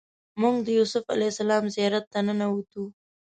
موږ د یوسف علیه السلام زیارت ته ننوتو.